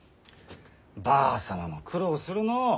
ばあ様も苦労するのう。